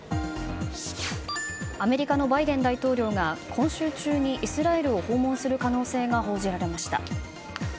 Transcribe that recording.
アメリカのバイデン大統領が今週中にイスラエルを訪問する可能性が報じられました。